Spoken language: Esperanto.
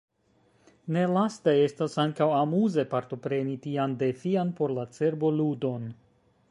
Nelaste estas ankaŭ amuze, partopreni tian defian por la cerbo ludon.